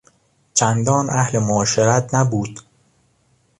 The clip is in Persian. چندان اهل معاشرت نبود.